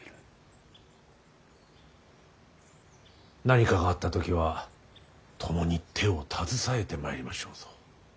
何かがあった時は共に手を携えてまいりましょうぞ。